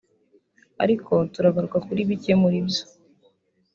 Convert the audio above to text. ariko turagaruka kuri bike muri byo